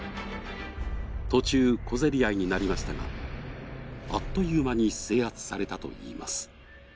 途中、小競り合いになりましたが、あっという間に制圧されたといいます。